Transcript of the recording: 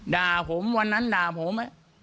ด่าผมวันนั้นด่าผม